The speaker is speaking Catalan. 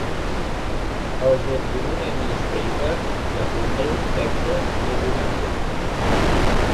El "The Tribune Newspaper" de Humble, Texas, n'és un exemple.